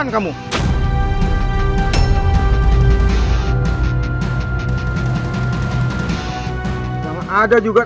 kami hanya bertugas